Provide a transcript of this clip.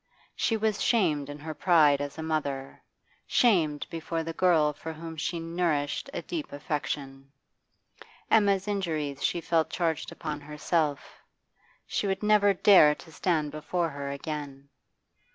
She was shamed in her pride as a mother, shamed before the girl for whom she nourished a deep affection. Emma's injuries she felt charged upon herself; she would never dare to stand before her again.